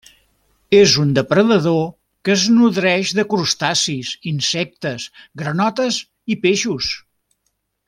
És un depredador que es nodreix de crustacis, insectes, granotes i peixos.